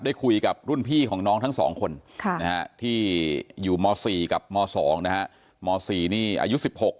ได้คุยกับรุ่นพี่ของน้องทั้งสองคนที่อยู่มสี่กับมสองนะฮะมสี่นี่อายุสิบหก